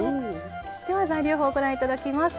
では材料表ご覧頂きます。